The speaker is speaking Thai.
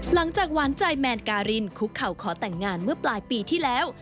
หลังจากหวานใจแมนการินคุกเข่าขอแต่งงานเมื่อปลายปีที่แล้ว